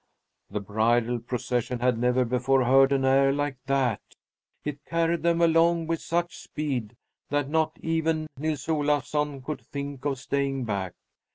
The bridal procession had never before heard an air like that! It carried them along with such speed that not even Nils Olafsson could think of staying back.